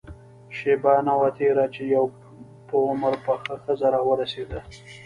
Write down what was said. شېبه نه وه تېره چې يوه په عمر پخه ښځه راورسېده.